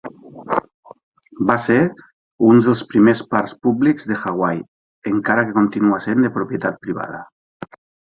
Va ser un dels primers parcs públics de Hawaii, encara que continua sent de propietat privada.